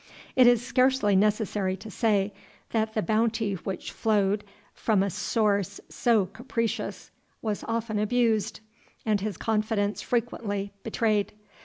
It is scarcely necessary to say, that the bounty which flowed from a source so capricious was often abused, and his confidence frequently betrayed.